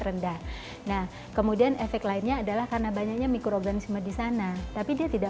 rendah nah kemudian efek lainnya adalah karena banyaknya mikroorganisme di sana tapi dia tidak